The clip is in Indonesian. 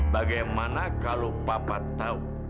bagaimana kalau papa tahu